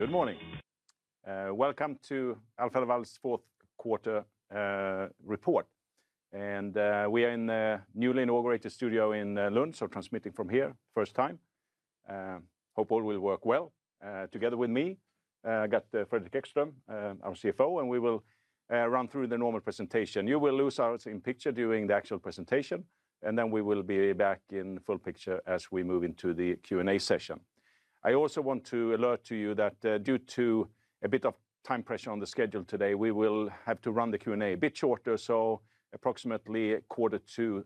Good morning. Welcome to Alfa Laval's Fourth Quarter Report. We are in the newly inaugurated studio in Lund, transmitting from here first time. Hope all will work well. Together with me, I got Fredrik Ekström, our CFO. We will run through the normal presentation. You will lose us in picture during the actual presentation, then we will be back in full picture as we move into the Q&A session. I also want to alert to you that, due to a bit of time pressure on the schedule today, we will have to run the Q&A a bit shorter, so approximately 10:45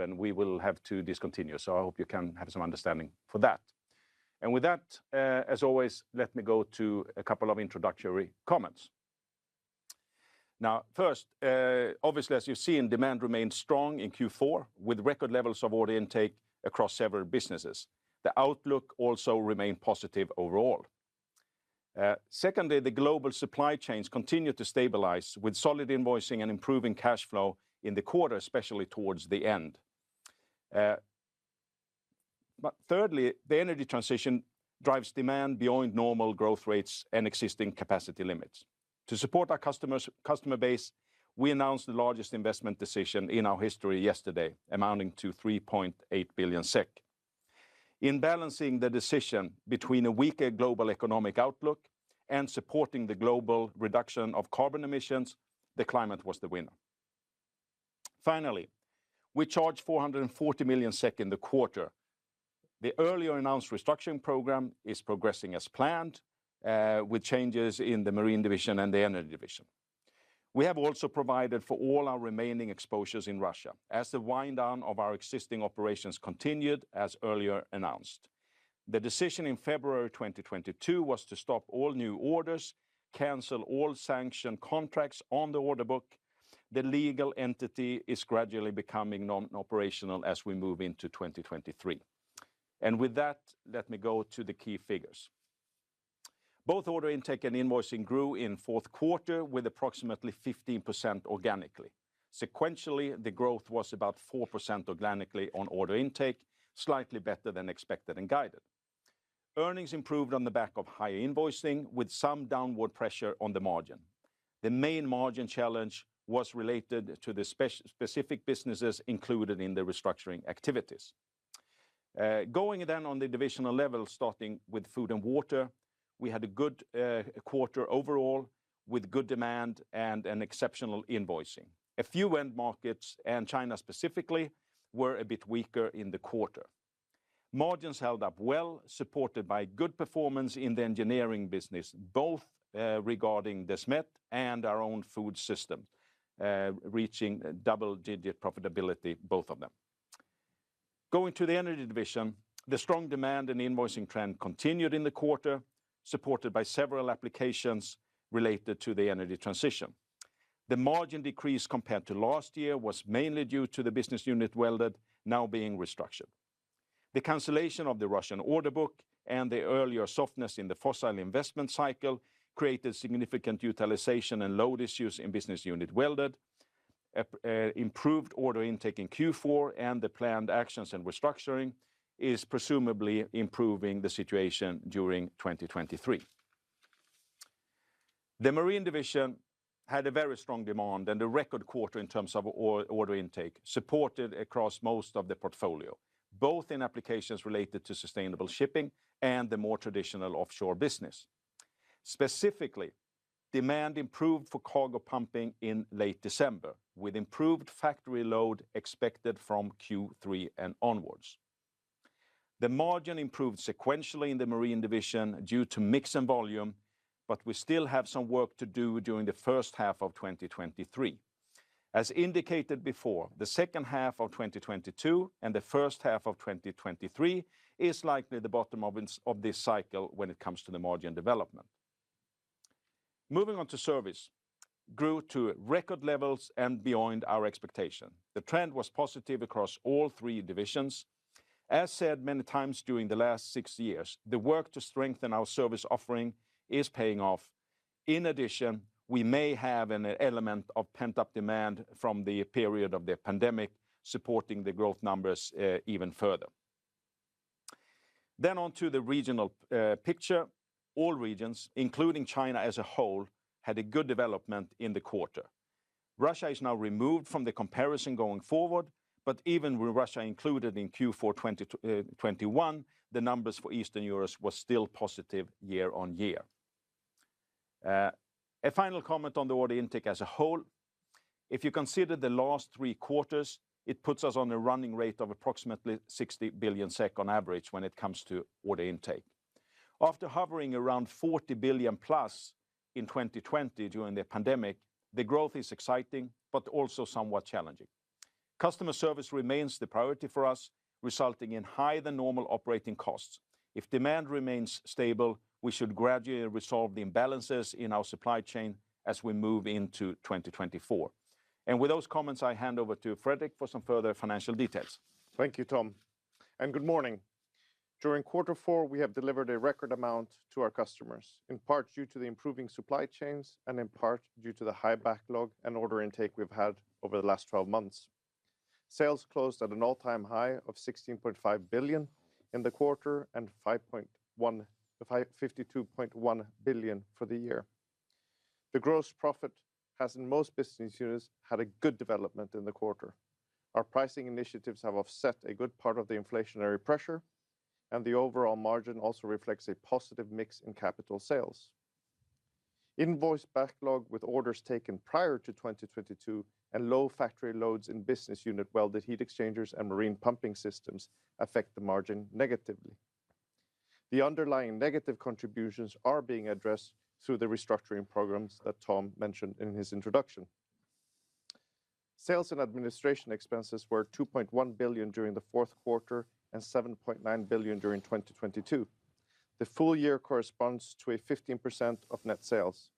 A.M. we will have to discontinue, so I hope you can have some understanding for that. With that, as always, let me go to a couple of introductory comments. First, obviously, as you've seen, demand remained strong in Q4 with record levels of order intake across several businesses. The outlook also remained positive overall. Secondly, the global supply chains continued to stabilize with solid invoicing and improving cash flow in the quarter, especially towards the end. Thirdly, the energy transition drives demand beyond normal growth rates and existing capacity limits. To support our customer base, we announced the largest investment decision in our history yesterday, amounting to 3.8 billion SEK. In balancing the decision between a weaker global economic outlook and supporting the global reduction of carbon emissions, the climate was the winner. Finally, we charged 440 million SEK in the quarter. The earlier announced restructuring program is progressing as planned, with changes in the Marine Division and the Energy Division. We have also provided for all our remaining exposures in Russia, as the wind down of our existing operations continued as earlier announced. The decision in February 2022 was to stop all new orders, cancel all sanctioned contracts on the order book. The legal entity is gradually becoming non-operational as we move into 2023. With that, let me go to the key figures. Both order intake and invoicing grew in fourth quarter with approximately 15% organically. Sequentially, the growth was about 4% organically on order intake, slightly better than expected and guided. Earnings improved on the back of higher invoicing, with some downward pressure on the margin. The main margin challenge was related to the specific businesses included in the restructuring activities. Going on the divisional level, starting with Food and Water, we had a good quarter overall, with good demand and an exceptional invoicing. A few end markets, and China specifically, were a bit weaker in the quarter. Margins held up well, supported by good performance in the engineering business, both regarding the Desmet and our own food system, reaching double-digit profitability, both of them. Going to the Energy Division, the strong demand and invoicing trend continued in the quarter, supported by several applications related to the energy transition. The margin decrease compared to last year was mainly due to the business unit Welded now being restructured. The cancellation of the Russian order book and the earlier softness in the fossil investment cycle created significant utilization and load issues in business unit Welded. A improved order intake in Q4 and the planned actions and restructuring is presumably improving the situation during 2023. The Marine Division had a very strong demand and a record quarter in terms of order intake, supported across most of the portfolio, both in applications related to sustainable shipping and the more traditional offshore business. Specifically, demand improved for cargo pumping in late December, with improved factory load expected from Q3 and onwards. The margin improved sequentially in the Marine Division due to mix and volume, but we still have some work to do during the first half of 2023. As indicated before, the second half of 2022 and the first half of 2023 is likely the bottom of this cycle when it comes to the margin development. Moving on to service, grew to record levels and beyond our expectation. The trend was positive across all three divisions. As said many times during the last six years, the work to strengthen our service offering is paying off. In addition, we may have an element of pent-up demand from the period of the pandemic, supporting the growth numbers even further. On to the regional picture. All regions, including China as a whole, had a good development in the quarter. Russia is now removed from the comparison going forward, even with Russia included in Q4 2021, the numbers for Eastern Europe was still positive year-on-year. A final comment on the order intake as a whole. If you consider the last three quarters, it puts us on a running rate of approximately 60 billion SEK on average when it comes to order intake. After hovering around 40 billion-plus in 2020 during the pandemic, the growth is exciting, but also somewhat challenging. Customer service remains the priority for us, resulting in higher-than-normal operating costs. If demand remains stable, we should gradually resolve the imbalances in our supply chain as we move into 2024. With those comments, I hand over to Fredrik for some further financial details. Thank you, Tom, and good morning. During quarter four, we have delivered a record amount to our customers, in part due to the improving supply chains and in part due to the high backlog and order intake we've had over the last 12 months. Sales closed at an all-time high of 16.5 billion in the quarter and 52.1 billion for the year. The gross profit has, in most business units, had a good development in the quarter. Our pricing initiatives have offset a good part of the inflationary pressure, and the overall margin also reflects a positive mix in capital sales. Invoice backlog with orders taken prior to 2022 and low factory loads in business unit Welded Heat Exchangers and Marine Pumping Systems affect the margin negatively. The underlying negative contributions are being addressed through the restructuring programs that Tom mentioned in his introduction. Sales and administration expenses were 2.1 billion during the fourth quarter and 7.9 billion during 2022. The full year corresponds to a 15% of net sales.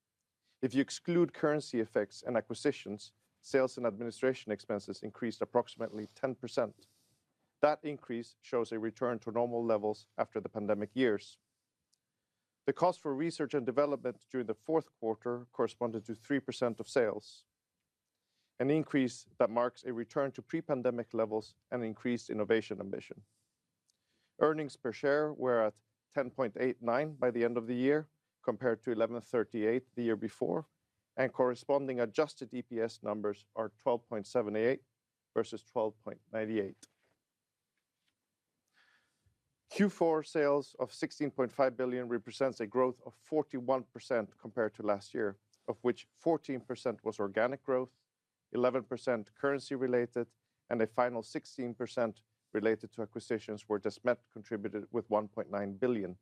If you exclude currency effects and acquisitions, sales and administration expenses increased approximately 10%. That increase shows a return to normal levels after the pandemic years. The cost for research and development during the fourth quarter corresponded to 3% of sales, an increase that marks a return to pre-pandemic levels and increased innovation ambition. Earnings per share were at 10.89 by the end of the year, compared to 11.38 the year before, and corresponding adjusted EPS numbers are 12.78 versus 12.98. Q4 sales of 16.5 billion represents a growth of 41% compared to last year, of which 14% was organic growth, 11% currency related, and a final 16% related to acquisitions where Desmet contributed with 1.9 billion.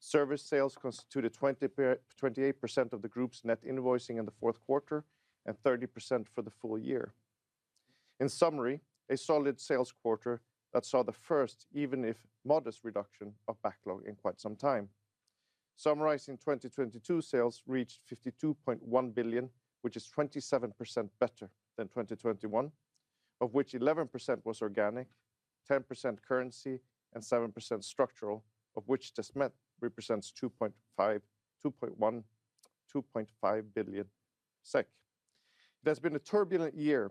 Service sales constituted 28% of the group's net invoicing in the fourth quarter, and 30% for the full year. In summary, a solid sales quarter that saw the first, even if modest reduction of backlog in quite some time. Summarizing 2022 sales reached 52.1 billion, which is 27% better than 2021, of which 11% was organic, 10% currency, and 7% structural, of which Desmet represents 2.5 billion SEK. It has been a turbulent year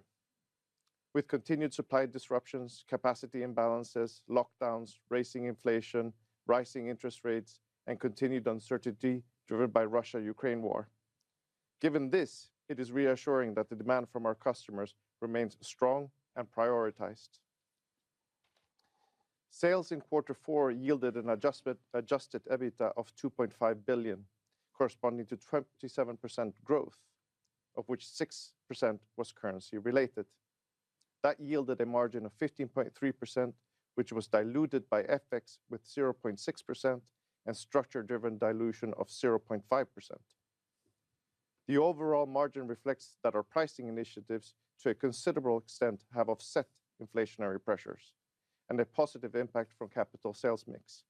with continued supply disruptions, capacity imbalances, lockdowns, raising inflation, rising interest rates, and continued uncertainty driven by Russia-Ukraine war. Given this, it is reassuring that the demand from our customers remains strong and prioritized. Sales in quarter four yielded an adjusted EBITDA of 2.5 billion, corresponding to 27% growth, of which 6% was currency related. That yielded a margin of 15.3%, which was diluted by FX with 0.6% and structure-driven dilution of 0.5%. The overall margin reflects that our pricing initiatives, to a considerable extent, have offset inflationary pressures and a positive impact from capital sales mix.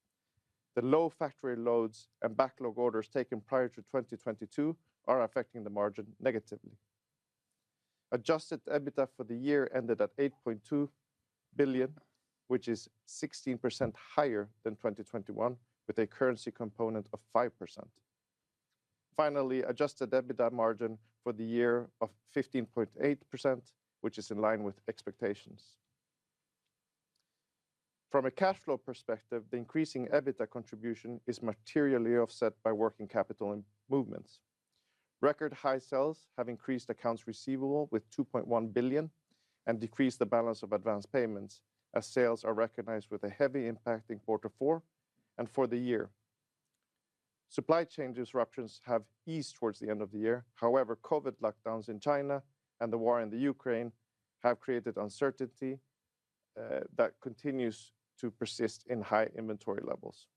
The low factory loads and backlog orders taken prior to 2022 are affecting the margin negatively. Adjusted EBITDA for the year ended at 8.2 billion, which is 16% higher than 2021, with a currency component of 5%. Adjusted EBITDA margin for the year of 15.8%, which is in line with expectations. From a cash flow perspective, the increasing EBITDA contribution is materially offset by working capital in movements. Record high sales have increased accounts receivable with 2.1 billion and decreased the balance of advanced payments, as sales are recognized with a heavy impact in quarter four and for the year. Supply chain disruptions have eased towards the end of the year. COVID lockdowns in China and the war in the Ukraine have created uncertainty that continues to persist in high inventory levels.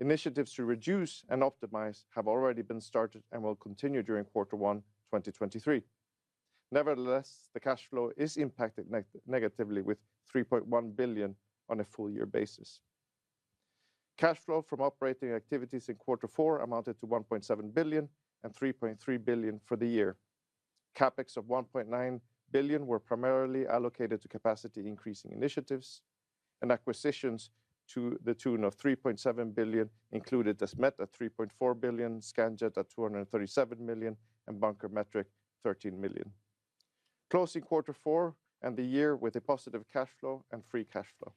Initiatives to reduce and optimize have already been started and will continue during quarter one, 2023. Nevertheless, the cash flow is impacted negatively with 3.1 billion on a full year basis. Cash flow from operating activities in quarter four amounted to 1.7 billion and 3.3 billion for the year. CapEx of 1.9 billion were primarily allocated to capacity increasing initiatives and acquisitions to the tune of 3.7 billion included Desmet at 3.4 billion, Scanjet at 237 million, and BunkerMetric 13 million. Closing quarter four and the year with a positive cash flow and free cash flow.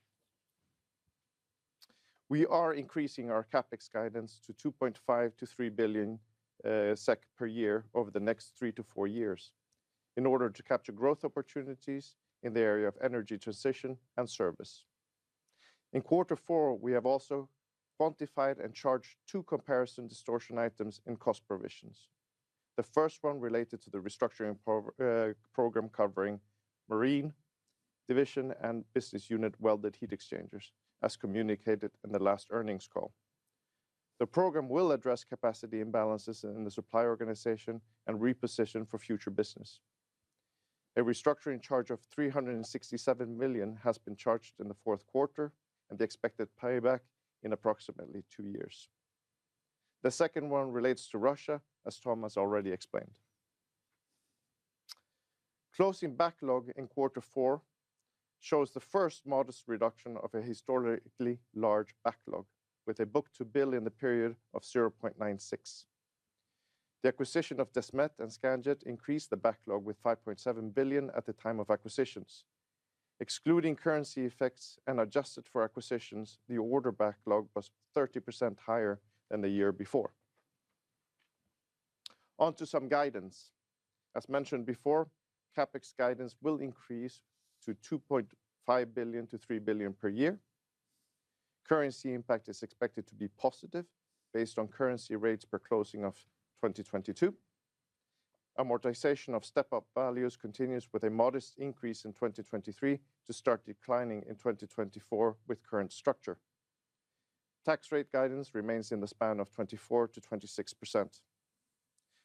We are increasing our CapEx guidance to 2.5 billion-3 billion SEK per year over the next three to four years in order to capture growth opportunities in the area of energy transition and service. In quarter four, we have also quantified and charged two comparison distortion items in cost provisions. The first one related to the restructuring program covering Marine Division and business unit Welded Heat Exchangers, as communicated in the last earnings call. The program will address capacity imbalances in the supply organization and reposition for future business. A restructuring charge of 367 million has been charged in the fourth quarter, and the expected payback in approximately two years. The second one relates to Russia, as Tom has already explained. Closing backlog in quarter four shows the first modest reduction of a historically large backlog with a book to bill in the period of 0.96. The acquisition of Desmet and Scanjet increased the backlog with 5.7 billion at the time of acquisitions. Excluding currency effects and adjusted for acquisitions, the order backlog was 30% higher than the year before. On to some guidance. As mentioned before, CapEx guidance will increase to 2.5 billion-3 billion per year. Currency impact is expected to be positive based on currency rates per closing of 2022. Amortization of step-up values continues with a modest increase in 2023 to start declining in 2024 with current structure. Tax rate guidance remains in the span of 24%-26%.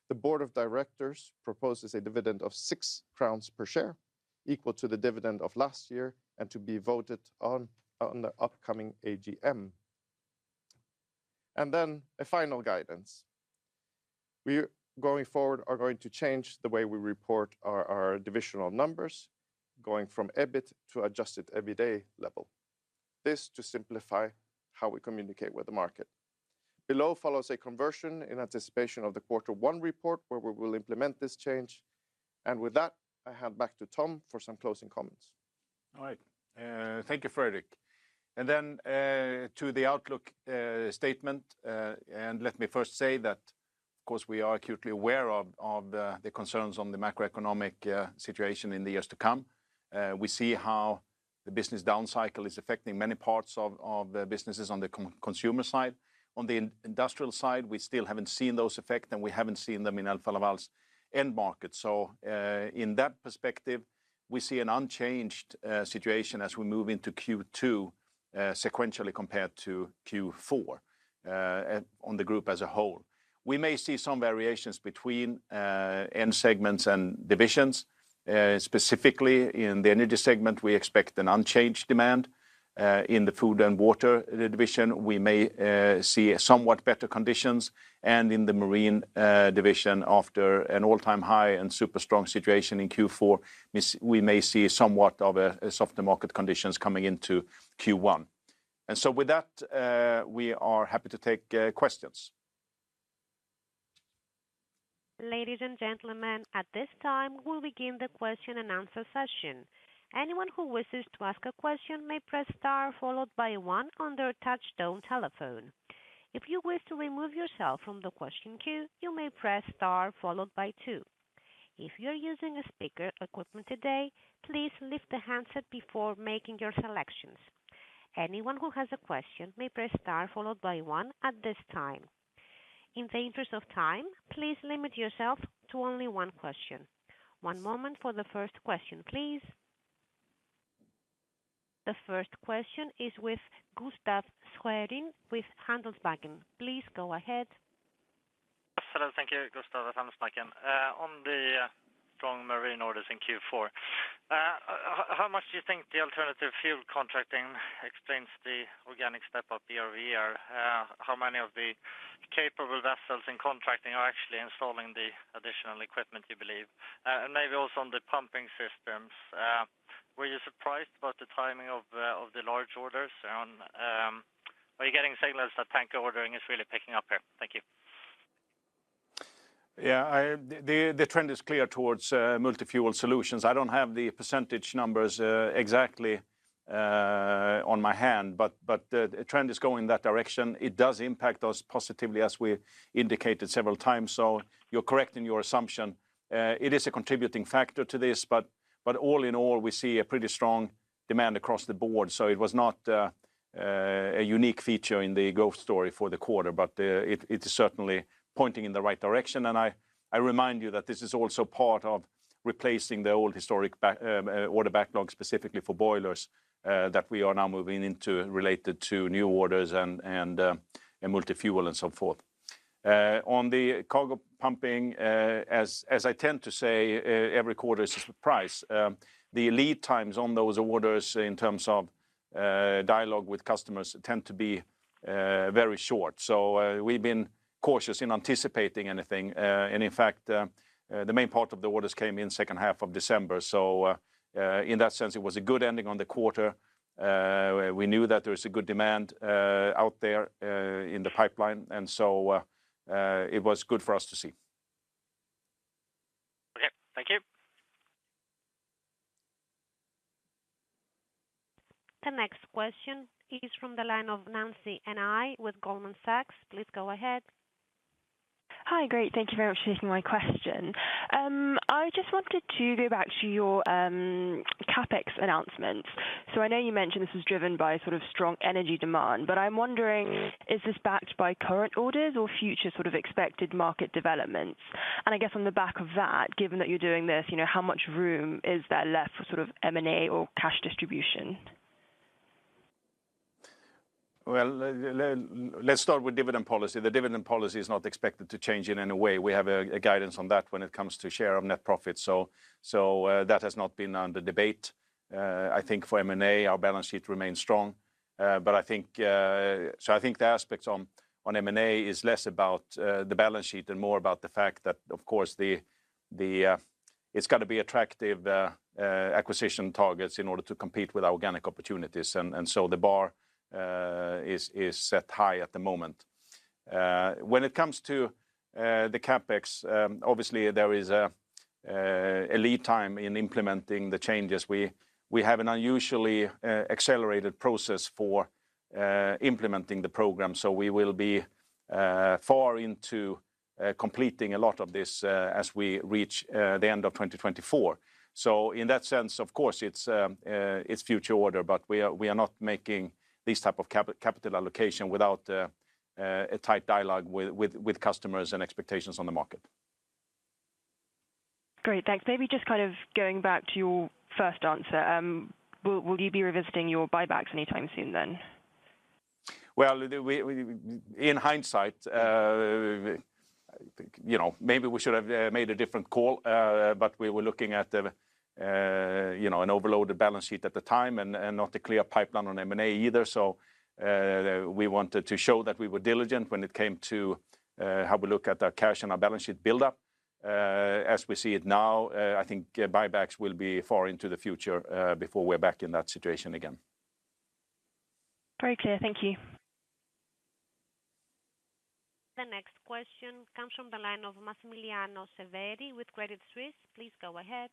The board of directors proposes a dividend of 6 crowns per share, equal to the dividend of last year, and to be voted on the upcoming AGM. A final guidance. We, going forward, are going to change the way we report our divisional numbers, going from EBIT to adjusted EBITA level. This to simplify how we communicate with the market. Below follows a conversion in anticipation of the quarter one report, where we will implement this change. With that, I hand back to Tom for some closing comments. All right. Thank you, Fredrik. To the outlook statement. Let me first say that of course, we are acutely aware of the concerns on the macroeconomic situation in the years to come. We see how the business down cycle is affecting many parts of businesses on the consumer side. On the industrial side, we still haven't seen those effect, and we haven't seen them in Alfa Laval's end market. In that perspective, we see an unchanged situation as we move into Q2 sequentially compared to Q4 on the group as a whole. We may see some variations between end segments and divisions. Specifically in the Energy segment, we expect an unchanged demand. In the Food & Water Division, we may see somewhat better conditions. In the Marine Division, after an all-time high and super strong situation in Q4, we may see somewhat of a softer market conditions coming into Q1. With that, we are happy to take questions. Ladies and gentlemen, at this time, we'll begin the question and answer session. Anyone who wishes to ask a question may press star followed by one on their touchtone telephone. If you wish to remove yourself from the question queue, you may press star followed by two. If you're using a speaker equipment today, please lift the handset before making your selections. Anyone who has a question may press star followed by one at this time. In the interest of time, please limit yourself to only one question. One moment for the first question, please. The first question is with Gustaf Schwerin with Handelsbanken. Please go ahead. Hello. Thank you. Gustav with Handelsbanken. on the strong marine orders in Q4, how much do you think the alternative fuel contracting explains the organic step up year-over-year? How many of the capable vessels in contracting are actually installing the additional equipment, do you believe? Maybe also on the pumping systems, were you surprised about the timing of the large orders? Are you getting signals that tanker ordering is really picking up here? Thank you. The trend is clear towards multi-fuel solutions. I don't have the percentage numbers exactly on my hand, but the trend is going that direction. It does impact us positively, as we indicated several times. You're correct in your assumption. It is a contributing factor to this, but all in all, we see a pretty strong demand across the board. It was not a unique feature in the growth story for the quarter, but it is certainly pointing in the right direction. I remind you that this is also part of replacing the old historic order backlog specifically for boilers that we are now moving into related to new orders and multi-fuel and so forth. On the cargo pumping, as I tend to say, every quarter is surprise. The lead times on those orders in terms of dialogue with customers tend to be very short. We've been cautious in anticipating anything. In fact, the main part of the orders came in second half of December. In that sense, it was a good ending on the quarter. We knew that there is a good demand out there in the pipeline, it was good for us to see. Okay. Thank you. The next question is from the line of Nancy Ni with Goldman Sachs. Please go ahead. Hi. Great. Thank you very much for taking my question. I just wanted to go back to your CapEx announcements. I know you mentioned this was driven by sort of strong energy demand, but I'm wondering, is this backed by current orders or future sort of expected market developments? I guess on the back of that, given that you're doing this, you know, how much room is there left for sort of M&A or cash distribution? Well, let's start with dividend policy. The dividend policy is not expected to change in any way. We have a guidance on that when it comes to share of net profit. That has not been under debate. I think for M&A, our balance sheet remains strong. I think the aspects on M&A is less about the balance sheet and more about the fact that, of course, it's gotta be attractive acquisition targets in order to compete with organic opportunities. The bar is set high at the moment. When it comes to the CapEx, obviously there is a lead time in implementing the changes. We have an unusually accelerated process for implementing the program. We will be far into completing a lot of this as we reach the end of 2024. In that sense, of course, it's future order, but we are not making these type of capital allocation without a tight dialogue with customers and expectations on the market. Great. Thanks. Maybe just kind of going back to your first answer. Will you be revisiting your buybacks anytime soon then? Well, we In hindsight, you know, maybe we should have made a different call, but we were looking at, you know, an overloaded balance sheet at the time and not a clear pipeline on M&A either. We wanted to show that we were diligent when it came to how we look at our cash and our balance sheet buildup. As we see it now, I think buybacks will be far into the future before we're back in that situation again. Very clear. Thank you. The next question comes from the line of Massimiliano Severi with Credit Suisse. Please go ahead.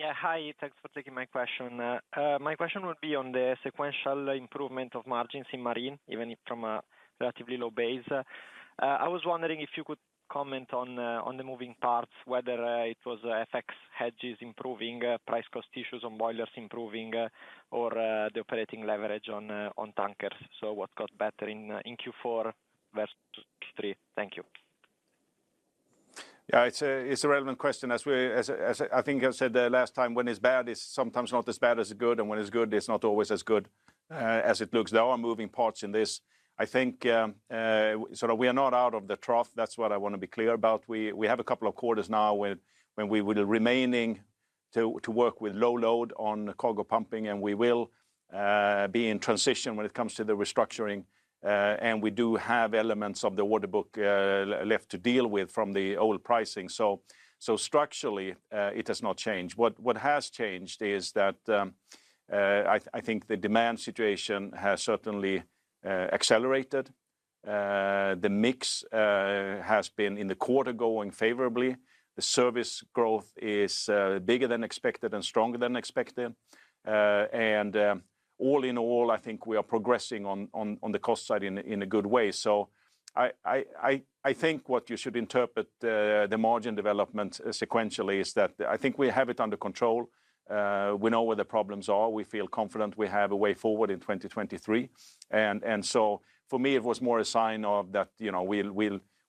Yeah. Hi. Thanks for taking my question. My question would be on the sequential improvement of margins in Marine, even if from a relatively low base. I was wondering if you could comment on the moving parts, whether it was FX hedges improving, price cost issues on boilers improving, or the operating leverage on tankers. What got better in Q4 versus Q3? Thank you. Yeah. It's a relevant question. As I think I said the last time, when it's bad, it's sometimes not as bad as good, and when it's good, it's not always as good as it looks. There are moving parts in this. I think we are not out of the trough. That's what I wanna be clear about. We have a couple of quarters now when we will remaining to work with low load on cargo pumping, and we will be in transition when it comes to the restructuring. We do have elements of the order book left to deal with from the old pricing. Structurally, it has not changed. What has changed is that I think the demand situation has certainly accelerated. The mix has been, in the quarter, going favorably. The service growth is bigger than expected and stronger than expected. All in all, I think we are progressing on the cost side in a good way. I think what you should interpret the margin development sequentially is that I think we have it under control. We know where the problems are. We feel confident we have a way forward in 2023. For me, it was more a sign of that, you know, we'll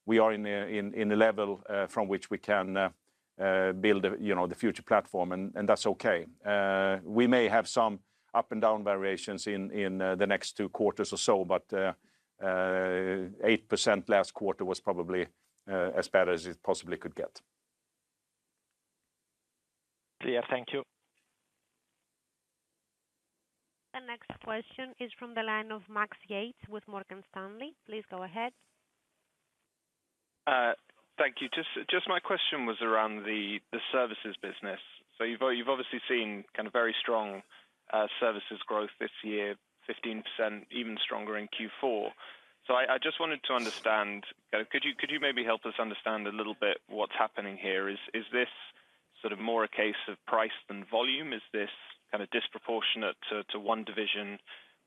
we are in a level from which we can build a, you know, the future platform, and that's okay. We may have some up and down variations in, the next two quarters or so, but, 8% last quarter was probably, as bad as it possibly could get. Clear. Thank you. The next question is from the line of Max Yates with Morgan Stanley. Please go ahead. Thank you. Just my question was around the services business. You've obviously seen kind of very strong services growth this year, 15%, even stronger in Q4. I just wanted to understand. Could you maybe help us understand a little bit what's happening here? Is this sort of more a case of price than volume? Is this kind of disproportionate to one division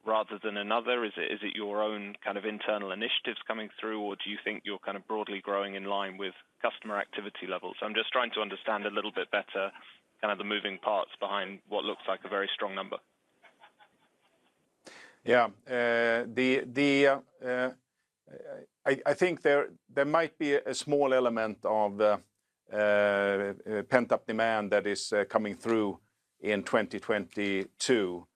rather than another? Is it your own kind of internal initiatives coming through, or do you think you're kind of broadly growing in line with customer activity levels? I'm just trying to understand a little bit better, kind of the moving parts behind what looks like a very strong number. There might be a small element of pent-up demand that is coming through in 2022.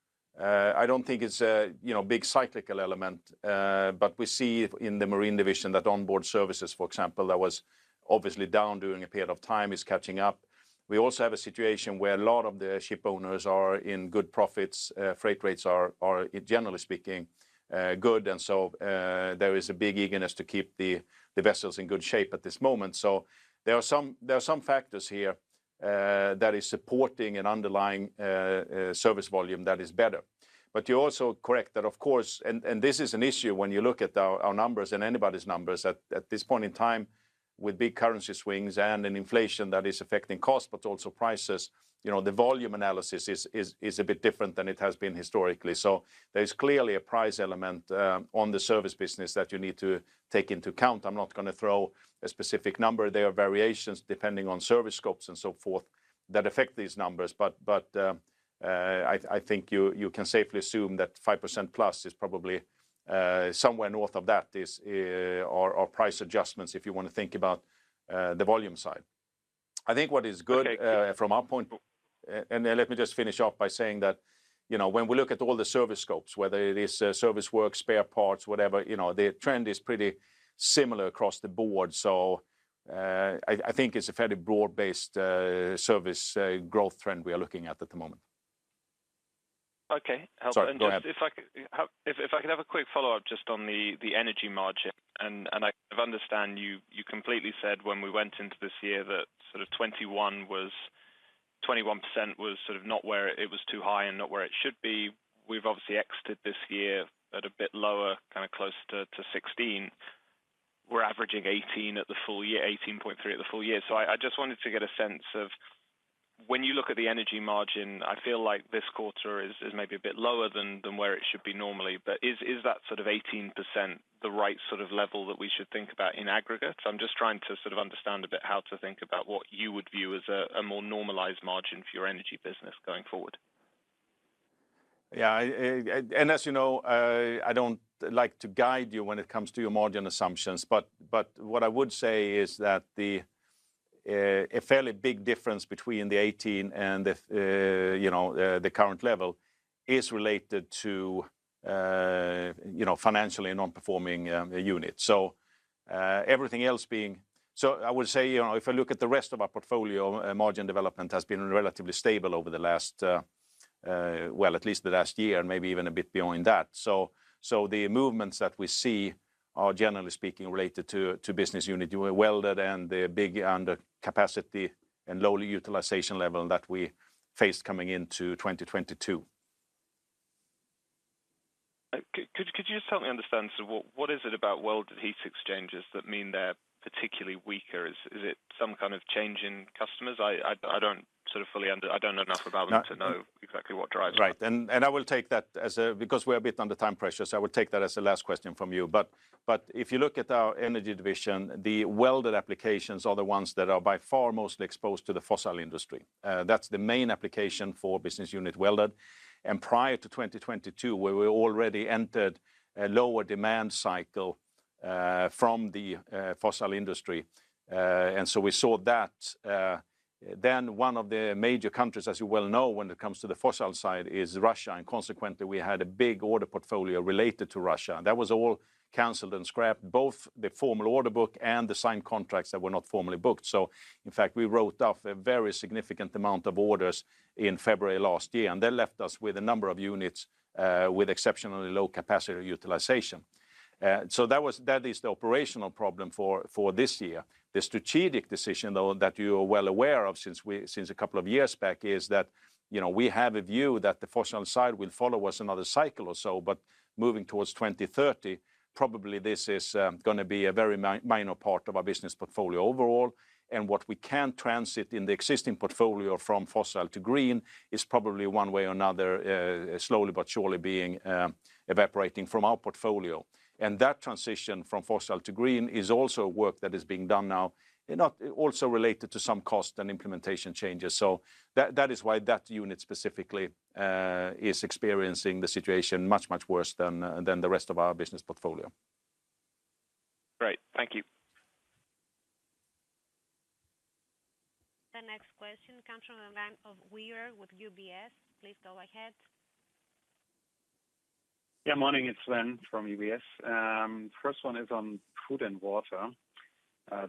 I don't think it's a, you know, big cyclical element, but we see in the Marine Division that onboard services, for example, that was obviously down during a period of time is catching up. We also have a situation where a lot of the shipowners are in good profits. Freight rates are, generally speaking, good. So there is a big eagerness to keep the vessels in good shape at this moment. So there are some, there are some factors here that is supporting an underlying service volume that is better. You're also correct that, of course, this is an issue when you look at our numbers and anybody's numbers at this point in time with big currency swings and an inflation that is affecting cost, but also prices. You know, the volume analysis is a bit different than it has been historically. There's clearly a price element on the service business that you need to take into account. I'm not gonna throw a specific number. There are variations depending on service scopes and so forth that affect these numbers. I think you can safely assume that 5% plus is probably somewhere north of that is or price adjustments, if you wanna think about the volume side. I think what is good from our point. Okay. Let me just finish off by saying that, you know, when we look at all the service scopes, whether it is, service work, spare parts, whatever, you know, the trend is pretty similar across the board. I think it's a fairly broad-based, service, growth trend we are looking at at the moment. Okay. Sorry. Go ahead. If I could have a quick follow-up just on the energy margin. I understand you completely said when we went into this year that sort of 21% was sort of not where it was too high and not where it should be. We've obviously exited this year at a bit lower, kind of closer to 16%. We're averaging 18% at the full year, 18.3% at the full year. I just wanted to get a sense of when you look at the energy margin, I feel like this quarter is maybe a bit lower than where it should be normally. Is that sort of 18% the right sort of level that we should think about in aggregate? I'm just trying to sort of understand a bit how to think about what you would view as a more normalized margin for your Energy business going forward. Yeah. As you know, I don't like to guide you when it comes to your margin assumptions, but what I would say is that a fairly big difference between the 18% and the current level is related to, you know, financially non-performing unit. I would say, you know, if I look at the rest of our portfolio, margin development has been relatively stable over the last, well, at least the last year and maybe even a bit beyond that. The movements that we see are generally speaking related to business unit Welded and the big under capacity and lowly utilization level that we faced coming into 2022. Could you just help me understand sort of what is it about Welded Heat Exchangers that mean they're particularly weaker? Is it some kind of change in customers? I don't know enough about them to know exactly what drives that. Right. I will take that as a last question from you because we are a bit under time pressure. If you look at our Energy Division, the welded applications are the ones that are by far most exposed to the fossil industry. That's the main application for Welded Heat Exchanger Business Unit. Prior to 2022, where we already entered a lower demand cycle from the fossil industry. We saw that. One of the major countries, as you well know, when it comes to the fossil side is Russia, and consequently, we had a big order portfolio related to Russia. That was all canceled and scrapped, both the formal order book and the signed contracts that were not formally booked. In fact, we wrote off a very significant amount of orders in February last year, and that left us with a number of units with exceptionally low capacity utilization. That is the operational problem for this year. The strategic decision, though, that you are well aware of since a couple of years back, is that, you know, we have a view that the fossil side will follow us another cycle or so. Moving towards 2030, probably this is gonna be a very minor part of our business portfolio overall. What we can transit in the existing portfolio from fossil to green is probably one way or another, slowly but surely being evaporating from our portfolio. That transition from fossil to green is also work that is being done now, you know, also related to some cost and implementation changes. That is why that unit specifically is experiencing the situation much worse than the rest of our business portfolio. Great. Thank you. The next question comes from the line of Sven Weier with UBS. Please go ahead. Morning, it's Sven from UBS. First one is on Food and Water.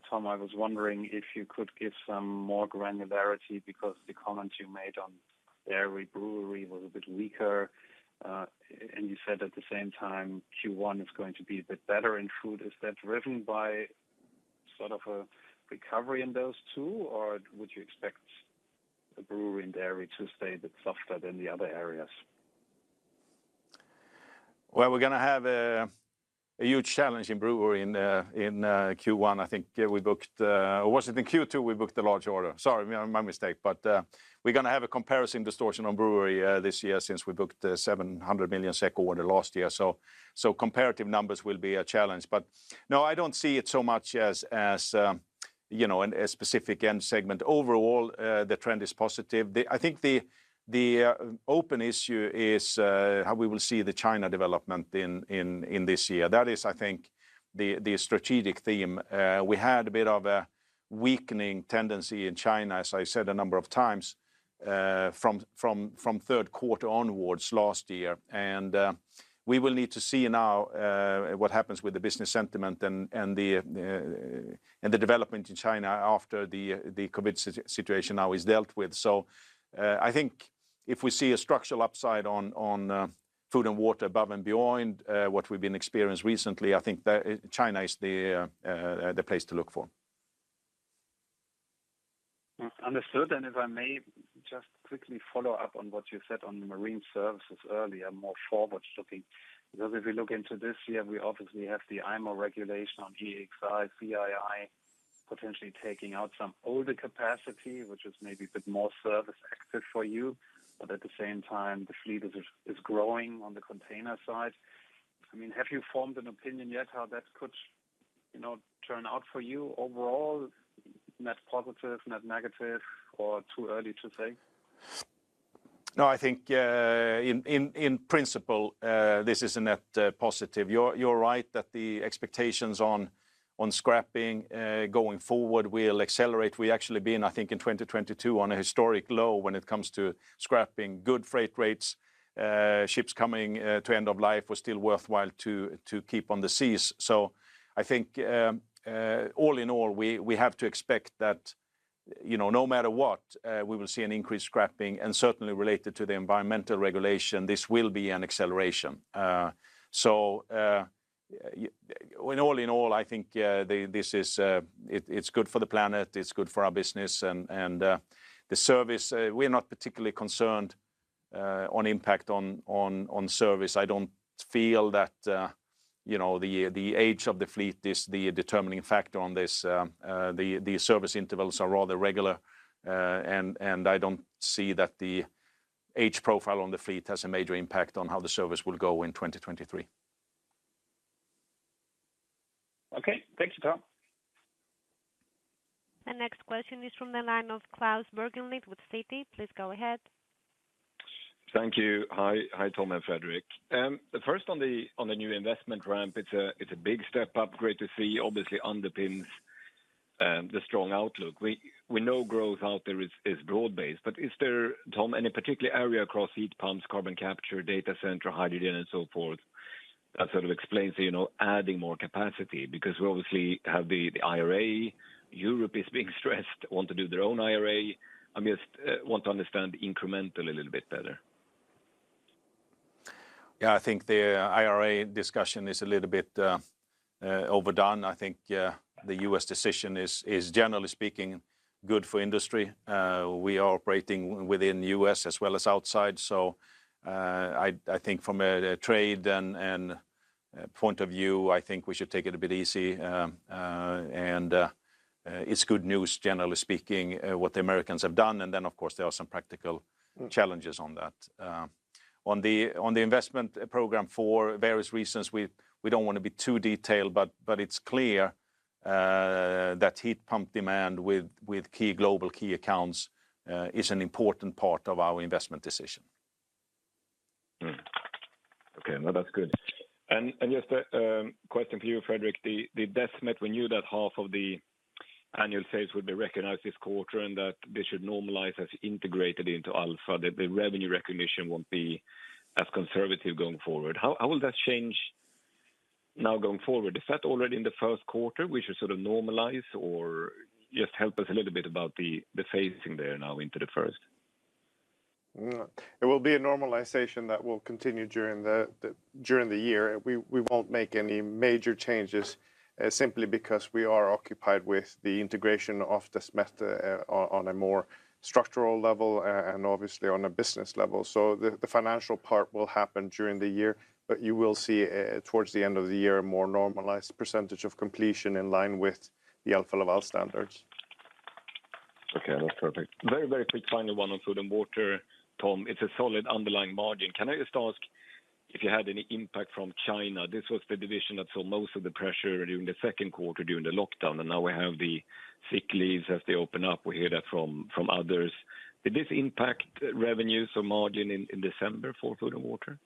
Tom, I was wondering if you could give some more granularity because the comments you made on dairy, brewery was a bit weaker. You said at the same time, Q1 is going to be a bit better in food. Is that driven by sort of a recovery in those two, or would you expect the brewery and dairy to stay a bit softer than the other areas? We're gonna have a huge challenge in brewery in Q1. I think I booked. Or was it in Q2 we booked the large order? Sorry, my mistake. We're gonna have a comparison distortion on brewery this year since we booked a 700 million SEK order last year. Comparative numbers will be a challenge. No, I don't see it so much as, you know, a specific end segment. Overall, the trend is positive. I think the open issue is how we will see the China development in this year. That is, I think, the strategic theme. We had a bit of a weakening tendency in China, as I said a number of times, from third quarter onwards last year. We will need to see now what happens with the business sentiment and the development in China after the COVID situation now is dealt with. I think if we see a structural upside on food and water above and beyond what we've been experienced recently, I think that China is the place to look for. Understood. If I may just quickly follow up on what you said on the marine services earlier, more forward-looking. If we look into this year, we obviously have the IMO regulation on EEXI, CII potentially taking out some older capacity, which is maybe a bit more service active for you. At the same time, the fleet is growing on the container side. I mean, have you formed an opinion yet how that could, you know, turn out for you overall? Net positive, net negative, or too early to say? No, I think, in principle, this is a net positive. You're right that the expectations on scrapping going forward will accelerate. We've actually been, I think, in 2022, on a historic low when it comes to scrapping. Good freight rates, ships coming to end of life was still worthwhile to keep on the seas. I think, all in all, we have to expect that, you know, no matter what, we will see an increased scrapping, and certainly related to the environmental regulation, this will be an acceleration. Yeah, when all in all, I think, this is, it's good for the planet, it's good for our business and the service, we're not particularly concerned on impact on service. I don't feel that, you know, the age of the fleet is the determining factor on this. The service intervals are rather regular. I don't see that the age profile on the fleet has a major impact on how the service will go in 2023. Okay. Thanks, Tom. The next question is from the line of Klas Bergelind with Citi. Please go ahead. Thank you. Hi. Hi, Tom and Fredrik. First on the new investment ramp, it's a big step up, great to see, obviously underpins the strong outlook. We know growth out there is broad-based. Is there, Tom, any particular area across heat pumps, carbon capture, data center, hydrogen and so forth that sort of explains the, you know, adding more capacity? Because we obviously have the IRA, Europe is being stressed, want to do their own IRA. I'm just want to understand incrementally a little bit better. Yeah. I think the IRA discussion is a little bit overdone. I think the U.S. decision is generally speaking good for industry. We are operating within U.S. as well as outside. I think from a trade and point of view, I think we should take it a bit easy. It's good news generally speaking, what the Americans have done. Of course there are some practical challenges on that. On the investment program for various reasons, we don't want to be too detailed, but it's clear that heat pump demand with key global key accounts is an important part of our investment decision. Okay. No, that's good. Just a question for you, Fredrik. The Desmet, we knew that half of the annual sales would be recognized this quarter, and that they should normalize as integrated into Alfa. The revenue recognition won't be as conservative going forward. How will that change now going forward? Is that already in the first quarter, we should sort of normalize? Just help us a little bit about the phasing there now into the first. No. It will be a normalization that will continue during the year. We won't make any major changes, simply because we are occupied with the integration of Desmet, on a more structural level and obviously on a business level. The financial part will happen during the year. You will see towards the end of the year, a more normalized percentage of completion in line with the Alfa Laval standards. That's perfect. Very, very quick final one on Food and Water, Tom. It's a solid underlying margin. Can I just ask if you had any impact from China? This was the division that saw most of the pressure during the second quarter during the lockdown. Now we have the sick leaves as they open up. We hear that from others. Did this impact revenues or margin in December for Food and Water?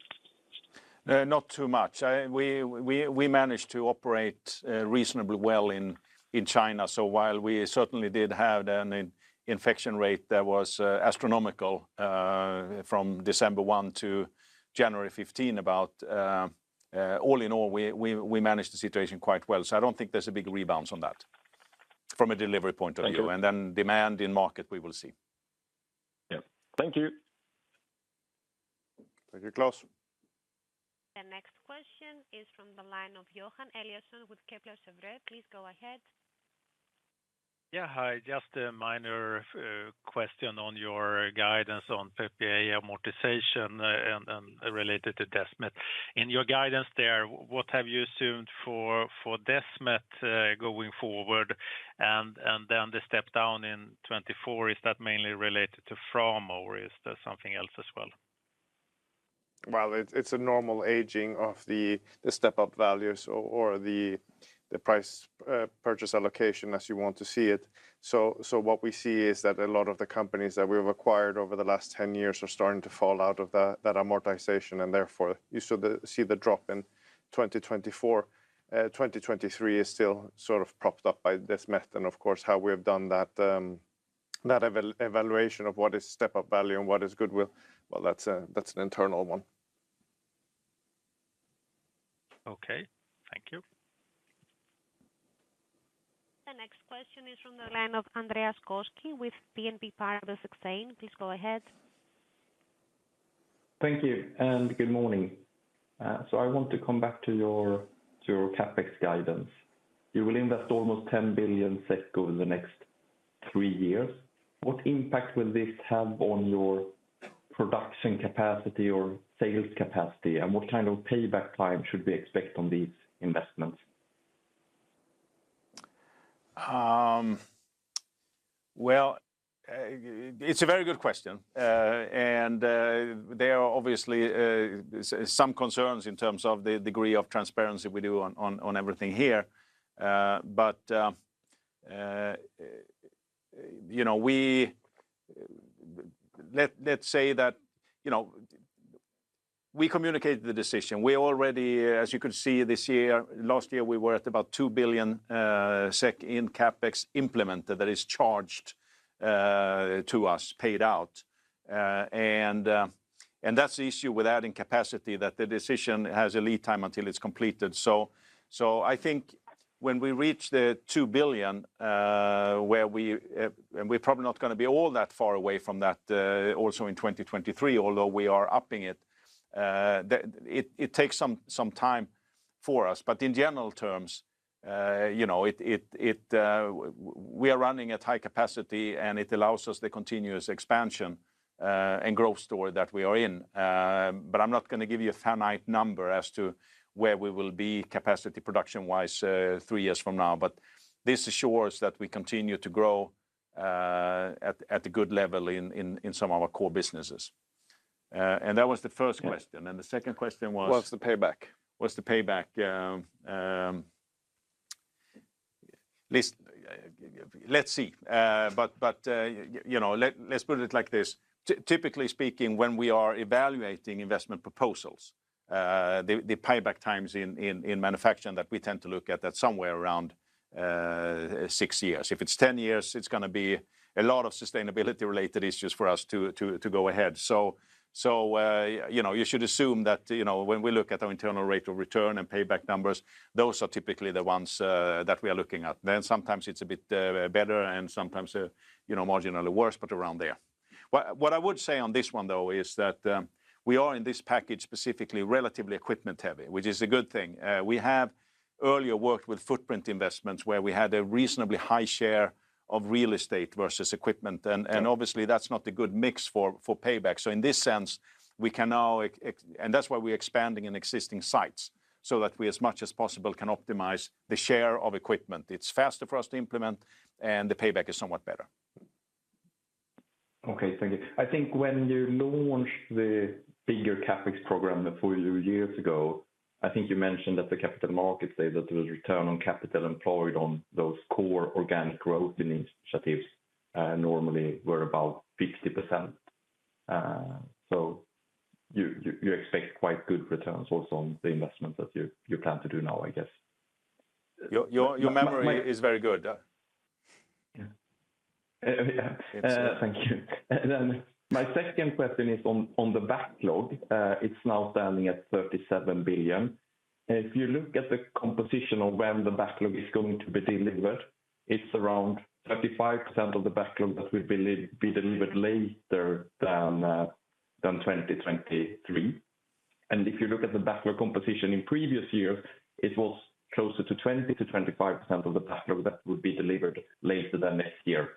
Not too much. We managed to operate reasonably well in China. While we certainly did have an in-infection rate that was astronomical, from December one to January fifteen about, all in all, we managed the situation quite well. I don't think there's a big rebound on that from a delivery point of view. Thank you. Demand in market, we will see. Yeah. Thank you. Thank you, Klas. The next question is from the line of Johan Eliason with Kepler Cheuvreux. Please go ahead. Yeah, hi. Just a minor question on your guidance on PPA amortization and related to Desmet. In your guidance there, what have you assumed for Desmet going forward? Then the step down in 2024, is that mainly related to Framo or is there something else as well? Well, it's a normal aging of the step-up values or the price purchase allocation as you want to see it. What we see is that a lot of the companies that we've acquired over the last 10 years are starting to fall out of that amortization, and therefore see the drop in 2024. 2023 is still sort of propped up by Desmet and of course how we have done that evaluation of what is step-up value and what is goodwill. Well, that's an internal one. Okay. Thank you. The next question is from the line of Andreas Koski with BNP Paribas Exane. Please go ahead. Thank you, good morning. I want to come back to your, to your CapEx guidance. You will invest almost 10 billion SEK over the next three years. What impact will this have on your production capacity or sales capacity? What kind of payback time should we expect on these investments? Well, it's a very good question. There are obviously some concerns in terms of the degree of transparency we do on, on everything here. You know, let's say that, you know, we communicated the decision. We already, as you can see last year, we were at about 2 billion SEK in CapEx implemented that is charged to us, paid out. That's the issue with adding capacity, that the decision has a lead time until it's completed. When we reach the 2 billion, where we, and we're probably not gonna be all that far away from that, also in 2023, although we are upping it takes some time for us. In general terms, you know, it we are running at high capacity, and it allows us the continuous expansion and growth story that we are in. I'm not gonna give you a finite number as to where we will be capacity production-wise, three years from now. This assures that we continue to grow at a good level in some of our core businesses. That was the first question. Yeah. The second question was? Was the payback. Was the payback. Let's see. You know, let's put it like this. Typically speaking, when we are evaluating investment proposals, the payback times in manufacturing that we tend to look at, that's somewhere around six years. If it's 10 years, it's gonna be a lot of sustainability-related issues for us to go ahead. You know, you should assume that, you know, when we look at our internal rate of return and payback numbers, those are typically the ones that we are looking at. Sometimes it's a bit better and sometimes, you know, marginally worse, but around there. What I would say on this one though is that we are in this package specifically relatively equipment-heavy, which is a good thing. We have earlier worked with footprint investments where we had a reasonably high share of real estate versus equipment. Obviously that's not a good mix for payback. In this sense, we can now. That's why we're expanding in existing sites, so that we, as much as possible, can optimize the share of equipment. It's faster for us to implement, and the payback is somewhat better. Okay, thank you. I think when you launched the bigger CapEx program a few years ago, I think you mentioned at the Capital Markets Day that the return on capital employed on those core organic growth initiatives, normally were about 50%. You expect quite good returns also on the investment that you plan to do now, I guess. Your memory is very good. Yeah. Yeah. Thank you. My second question is on the backlog. It's now standing at 37 billion. If you look at the composition of when the backlog is going to be delivered, it's around 35% of the backlog that will be delivered later than 2023. If you look at the backlog composition in previous years, it was closer to 20%-25% of the backlog that would be delivered later than this year.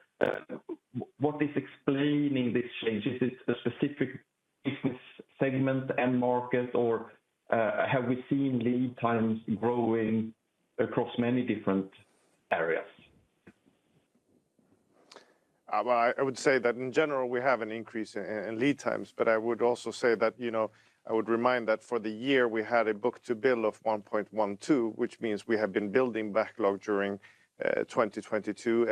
What is explaining this change? Is it a specific business segment, end market, or, have we seen lead times growing across many different areas? Well, I would say that in general, we have an increase in lead times. I would also say that, you know, I would remind that for the year, we had a book to bill of 1.12, which means we have been building backlog during 2022.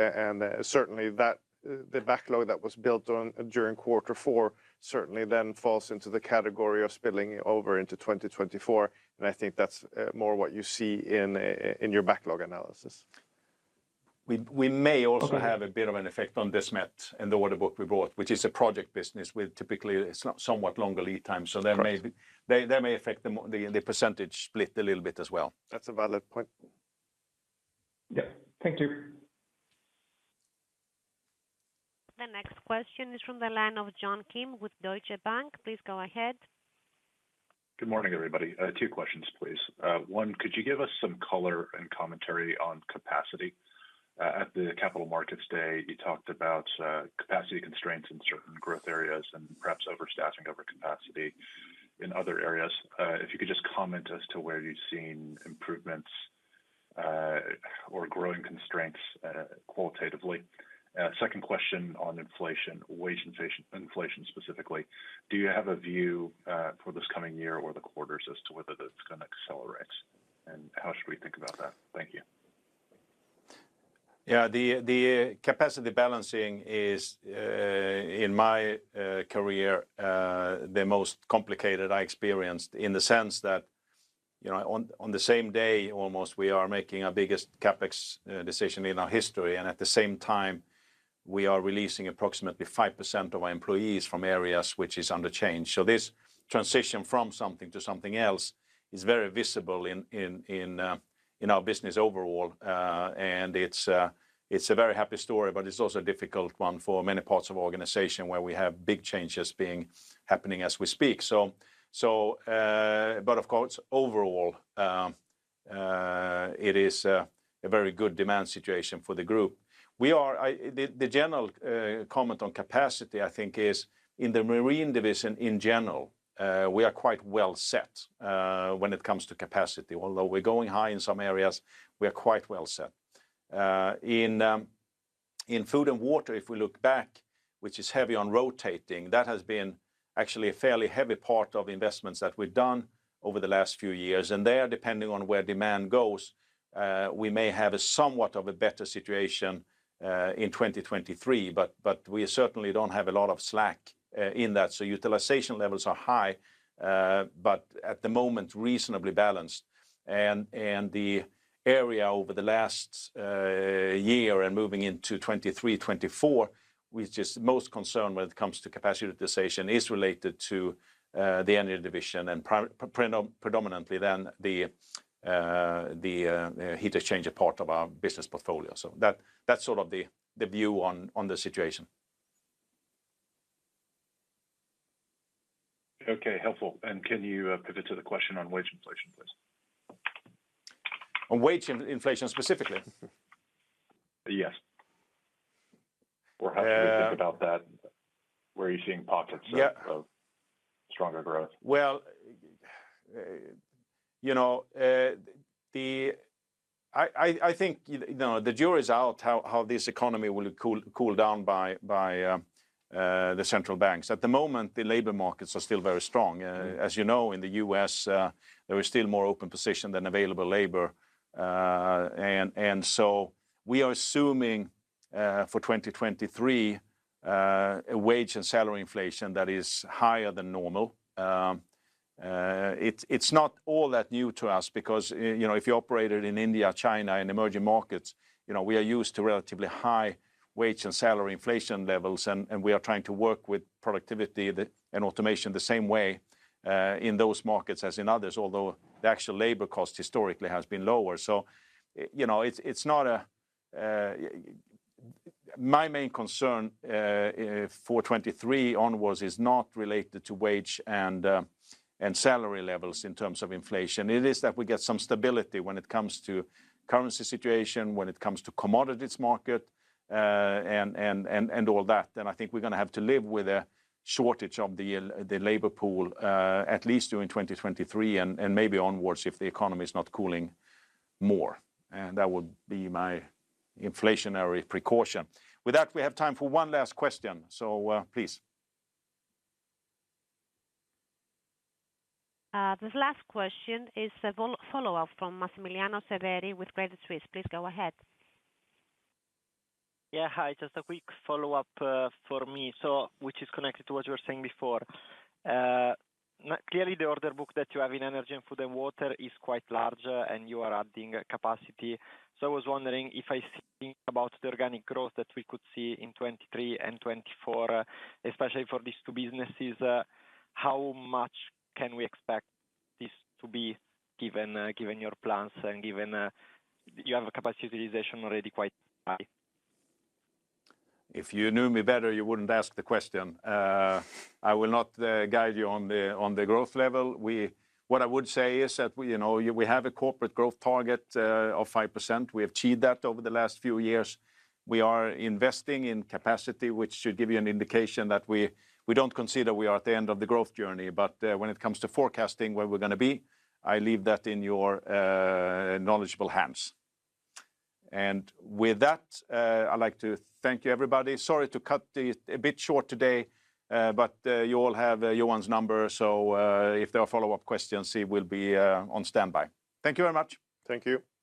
Certainly that, the backlog that was built on during quarter four, certainly then falls into the category of spilling over into 2024. I think that's more what you see in your backlog analysis. We may also have a bit of an effect on Desmet and the order book we bought, which is a project business with typically somewhat longer lead time. Correct. That may be, that may affect the percentage split a little bit as well. That's a valid point. Yeah. Thank you. The next question is from the line of John Kim with Deutsche Bank. Please go ahead. Good morning, everybody. Two questions, please. One, could you give us some color and commentary on capacity? At the Capital Markets Day, you talked about capacity constraints in certain growth areas and perhaps overstaffing, overcapacity in other areas. If you could just comment as to where you've seen improvements, or growing constraints, qualitatively. Second question on inflation, wage inflation specifically. Do you have a view for this coming year or the quarters as to whether that's gonna accelerate? How should we think about that? Thank you. Yeah. The capacity balancing is in my career the most complicated I experienced in the sense that, you know, on the same day almost, we are making our biggest CapEx decision in our history, and at the same time, we are releasing approximately 5% of our employees from areas which is under change. This transition from something to something else is very visible in our business overall. It's a very happy story, but it's also a difficult one for many parts of our organization where we have big changes happening as we speak. Of course, overall, it is a very good demand situation for the group. The general comment on capacity, I think, is in the Marine Division in general, we are quite well set when it comes to capacity. Although we're going high in some areas, we are quite well set. In Food & Water, if we look back, which is heavy on rotating, that has been actually a fairly heavy part of investments that we've done over the last few years. There, depending on where demand goes, we may have a somewhat of a better situation in 2023, but we certainly don't have a lot of slack in that. Utilization levels are high, but at the moment, reasonably balanced. The area over the last year and moving into 2023, 2024, which is most concerned when it comes to capacity utilization, is related to the Energy Division and predominantly then the heat exchanger part of our business portfolio. That, that's sort of the view on the situation. Okay, helpful. Can you pivot to the question on wage inflation, please? On wage in-inflation specifically? Yes. Uh- How do you think about that? Where are you seeing pockets of? Yeah. ...of stronger growth? Well, you know, I think, you know, the jury's out how this economy will cool down by the central banks. At the moment, the labor markets are still very strong. As you know, in the U.S., there is still more open position than available labor. We are assuming for 2023, a wage and salary inflation that is higher than normal. It's not all that new to us because, you know, if you operated in India, China, in emerging markets, you know, we are used to relatively high wage and salary inflation levels and we are trying to work with productivity and automation the same way in those markets as in others. Although, the actual labor cost historically has been lower. You know, it's not a. My main concern for 2023 onwards is not related to wage and salary levels in terms of inflation. It is that we get some stability when it comes to currency situation, when it comes to commodities market, and all that. I think we're gonna have to live with a shortage of the labor pool, at least during 2023 and maybe onwards if the economy's not cooling more, and that would be my inflationary precaution. With that, we have time for one last question, please. This last question is a follow-up from Massimiliano Severi with Credit Suisse. Please go ahead. Yeah. Hi, just a quick follow-up for me, which is connected to what you were saying before. Clearly, the order book that you have in Energy and Food & Water is quite large, and you are adding capacity. I was wondering if I think about the organic growth that we could see in 2023 and 2024, especially for these two businesses, how much can we expect this to be given given your plans and given you have a capacity utilization already quite high? If you knew me better, you wouldn't ask the question. I will not guide you on the, on the growth level. What I would say is that we, you know, we have a corporate growth target of 5%. We achieved that over the last few years. We are investing in capacity, which should give you an indication that we don't consider we are at the end of the growth journey. When it comes to forecasting where we're gonna be, I leave that in your knowledgeable hands. With that, I'd like to thank you, everybody. Sorry to cut this a bit short today. You all have Johan's number. If there are follow-up questions, he will be on standby. Thank you very much. Thank you.